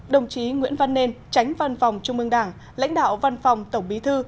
đồng chí nguyễn văn nên tránh văn phòng trung mương đảng lãnh đạo văn phòng tổng bí thư